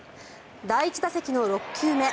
第１打席の６球目。